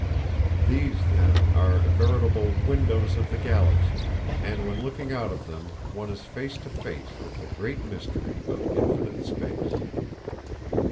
These, then, are veritable windows of the Galaxy, and when looking out of them one is face to face with the great mystery of infinite space.